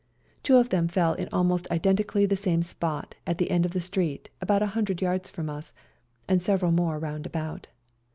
Two of them fell in almost identically the same spot at the end of the street about a hundred yards from us, and several more round about.